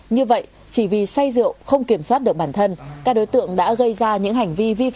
như vậy chỉ vì say rượu không kiểm soát được bản thân